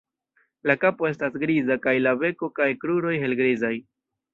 La kapo estas griza kaj la beko kaj kruroj helgrizaj.